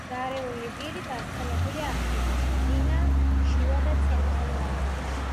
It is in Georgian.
გარეული ვირი გავრცელებულია აფრიკაში, წინა, შუა და ცენტრალურ აზიაში.